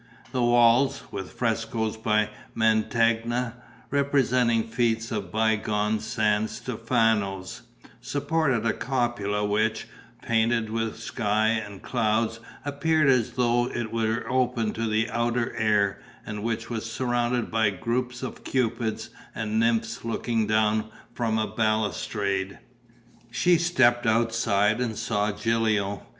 The walls, with frescoes by Mantegna, representing feats of bygone San Stefanos, supported a cupola which, painted with sky and clouds, appeared as though it were open to the outer air and which was surrounded by groups of cupids and nymphs looking down from a balustrade. She stepped outside and saw Gilio.